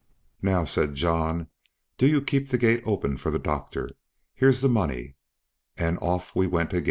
"Now," said John, "do you keep the gate open for the doctor; here's the money," and off we went again.